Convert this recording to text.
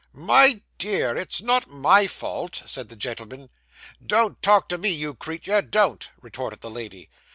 'My dear, it's not my fault,' said the gentleman. 'Don't talk to me, you creetur, don't,' retorted the lady.